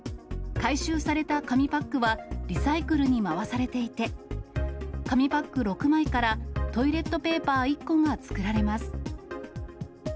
回収された紙パックは、リサイクルに回されていて、紙パック６枚からトイレットペーパー１個が作られます。